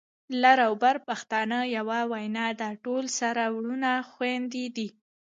لر او بر پښتانه يوه وینه ده، ټول سره وروڼه خويندي دي